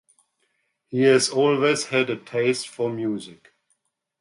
He has always had a taste for music.